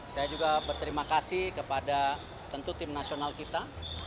saya juga berterima kasih kepada tentu tim nasional kita